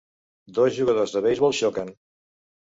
Dos jugadors de beisbol xoquen.